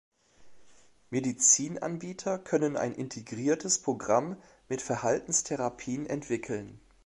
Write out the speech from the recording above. Medizinanbieter können ein integriertes Programm mit Verhaltenstherapien entwickeln.